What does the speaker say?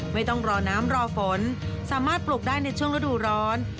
ไม่ต้องรอน้ำรอฝนสามารถปลูกได้ในช่วงฤดูร้อน